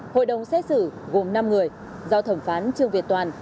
hội đồng xét xử gồm năm người do thẩm phán trương việt toàn